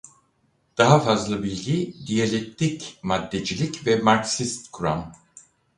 Daha fazla bilgi Diyalektik maddecilik ve Marksist kuram.